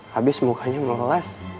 habis mukanya meleles